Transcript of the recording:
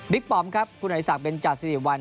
บิ๊กปอมครับคุณอาฤษัทเบนจาศิริวัณ